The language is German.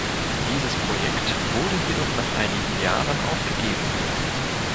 Dieses Projekt wurde jedoch nach einigen Jahren aufgegeben.